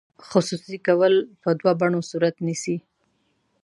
خصوصي کول په دوه بڼو صورت نیسي.